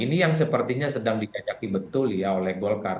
ini yang sepertinya sedang dikecaki betul ya oleh golkar